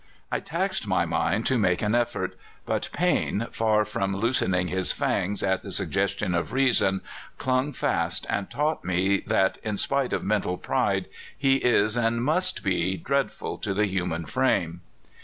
"I taxed my mind to make an effort, but pain, far from loosening his fangs at the suggestion of reason, clung fast, and taught me that, in spite of mental pride, he is, and must be, dreadful to the human frame."